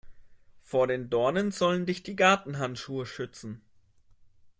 Vor den Dornen sollen dich die Gartenhandschuhe schützen.